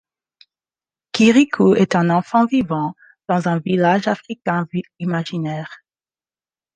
Kirikou est un enfant vivant dans un village africain imaginaire.